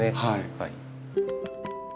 はい。